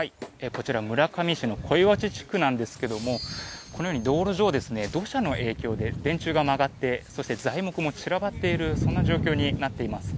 こちら村上市の小岩内地区なんですがこのように道路上土砂の影響で、電柱が曲がってそして材木も散らばっているそんな状況になっています。